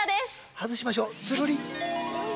外しましょうつるり。